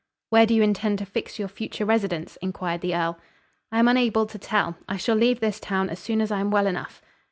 "Where do you intend to fix your future residence?" inquired the earl. "I am unable to tell. I shall leave this town as soon as I am well enough."